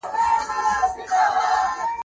موږ کولای سو چي د وړیو جامي جوړي کړو.